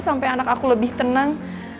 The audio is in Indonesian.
sampai anak aku lebih tenang